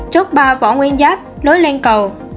chốt ba võ nguyên giáp lối lên cầu